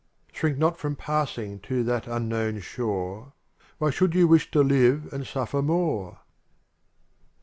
Shrink not from passing to that unknown shore; Why should you wish to live and suJTer more?